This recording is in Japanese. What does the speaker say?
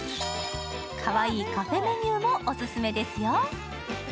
かわいいカフェメニューもお勧めですよ。